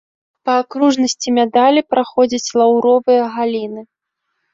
Па акружнасці медалі праходзяць лаўровыя галіны.